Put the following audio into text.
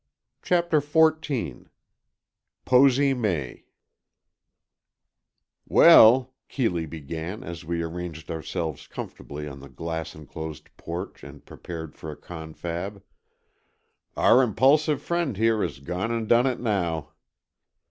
CHAPTER XIV POSY MAY "Well," Keeley began, as we arranged ourselves comfortably on the glass enclosed porch and prepared for a confab, "our impulsive friend here has gone and done it now!"